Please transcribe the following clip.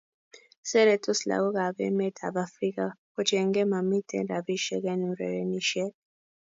Seretos lakok ab Emet ab afrika kotienge mamiten rapishek en urerenishet